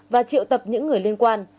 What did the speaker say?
và triệu tập những người liên quan